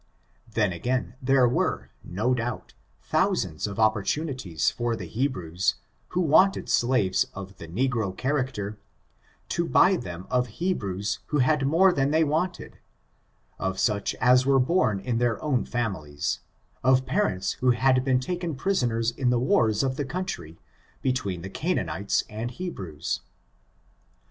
Then, again, there were, no doubt, thousands of opportunities for the Hebrews, who wanted slaves of the negro character, to buy them of Hebrews trho had more than they wanted, of such as were born in their own families, of parents who had been ta ken prisoners in the wars of the country, between the Canaanites and Hebrews.